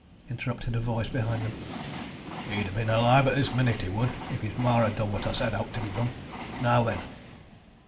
interrupted a voice behind them. "He'd ha' been alive at this minute, he would, if his ma had done what I said owt to be done now then!"